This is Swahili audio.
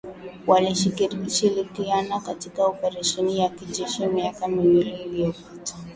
Walishirikiana katika oparesheni ya kijeshi miaka miwili iliyopita